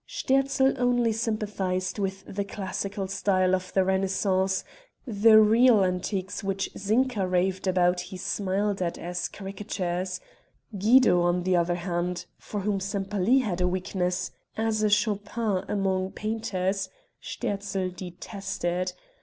Sterzl only sympathized with the classical style of the Renaissance; the real antiques which Zinka raved about he smiled at as caricatures; Guido on the other hand for whom Sempaly had a weakness, as a Chopin among painters Sterzl detested.